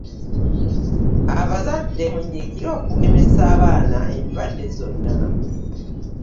Abazadde munyikire okugemesa abaana endwadde zonna.